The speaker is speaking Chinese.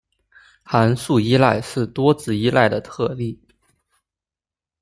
函数依赖是多值依赖的特例。